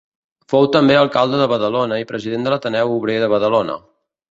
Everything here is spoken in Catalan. Fou també alcalde de Badalona i president de l'Ateneu Obrer de Badalona.